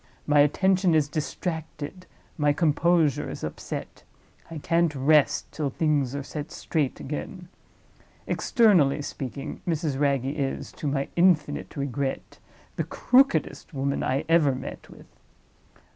My attention is distracted, my composure is upset; I can't rest till things are set straight again. Externally speaking, Mrs. Wragge is, to my infinite regret, the crookedest woman I ever met with.